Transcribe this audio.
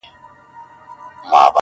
په دریاب کي پاڅېدل د اوبو غرونه٫